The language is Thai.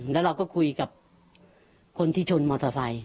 แล้วเราก็คุยกับคนที่ชนมอเตอร์ไซค